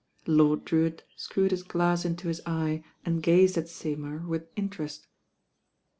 Lord Drewitt screwed his glass into his eye and gazed at Seymour with interest.